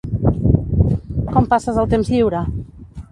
Com passes el temps lliure?